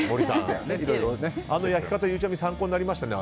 あの焼き方、ゆうちゃみ参考になりましたね。